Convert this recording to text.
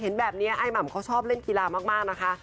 เห็นแบบนี้ไอ้หม่ำเขาชอบเล่นกีฬามากนะคะ